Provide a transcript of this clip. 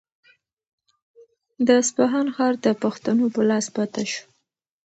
د اصفهان ښار د پښتنو په لاس فتح شو.